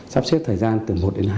sắp xếp thời gian từ một đến hai